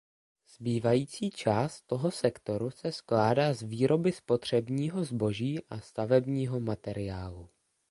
Zbývající část toho sektoru se skládá z výroby spotřebního zboží a stavebního materiálu.